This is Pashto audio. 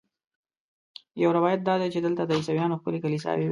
یو روایت دا دی چې دلته د عیسویانو ښکلې کلیساوې وې.